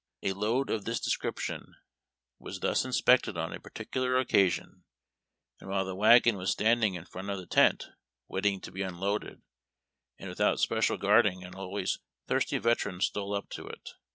A load of this description was thus inspected on a particular occasion, and while the wagon was standing in front of the tent waiting to be unloaded, and without S])ecial guarding, an always thirsty veteran stole up to it.